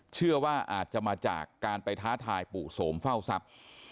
เชื่อว่าอาจจะมาจากการไปท้าทายปู่โสมเฝ้าทรัพย์